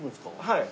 はい。